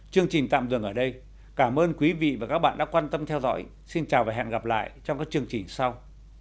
chương trình tạm dừng ở đây cảm ơn quý vị và các bạn đã quan tâm theo dõi xin chào và hẹn gặp lại trong các chương trình sau